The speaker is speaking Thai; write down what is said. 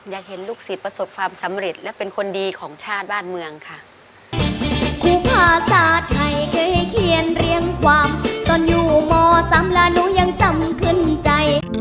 อยากเห็นลูกศิษย์ประสบความสำเร็จและเป็นคนดีของชาติบ้านเมืองค่ะครูภาษาไทย